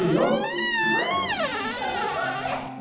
はいよろこんで！